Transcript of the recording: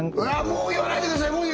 もう言わないでください！